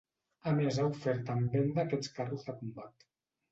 A més ha ofert en venda aquests carros de combat.